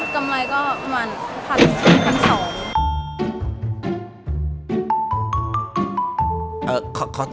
กำไรก็ประมาณ๑๒๒๐๐บาท